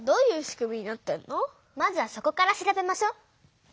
まずはそこから調べましょ。